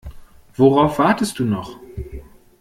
Worauf wartest du noch?